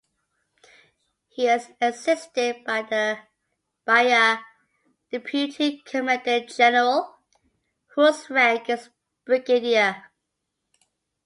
He is assisted by a Deputy Commandant General, whose rank is brigadier.